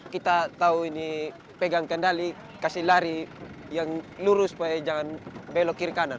kita tahu ini pegang kendali kasih lari yang lurus supaya jangan belok kiri kanan